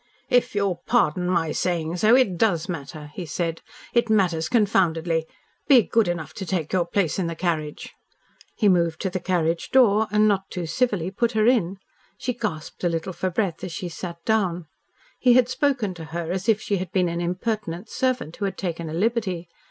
"If you'll pardon my saying so, it does matter," he said. "It matters confoundedly. Be good enough to take your place in the carriage." He moved to the carriage door, and not too civilly put her in. She gasped a little for breath as she sat down. He had spoken to her as if she had been an impertinent servant who had taken a liberty.